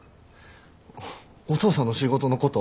お父さんの仕事のこと